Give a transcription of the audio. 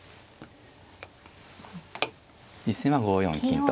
実戦は５四金と。